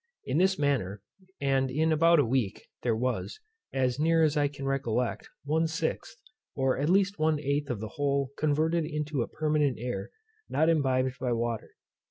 In this manner, and in about a week, there was, as near as I can recollect, one sixth, or at least one eighth of the whole converted into a permanent air, not imbibed by water.